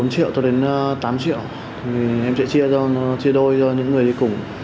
từ bốn triệu tới đến tám triệu thì em sẽ chia đôi cho những người đi cùng